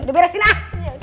udah beresin ah